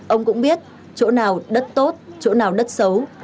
ông cũng biết chỗ nào đất tốt chỗ nào đất xấu